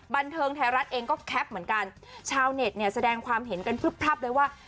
บันเทิงไทยรัฐเองก็แคปเหมือนกันชาวเน็ตเนี่ยแสดงความเห็นกันพลึบพลับเลยว่า